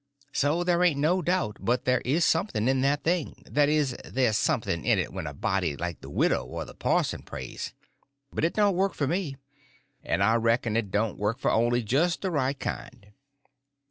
So there ain't no doubt but there is something in that thing—that is, there's something in it when a body like the widow or the parson prays, but it don't work for me, and I reckon it don't work for only just the right kind.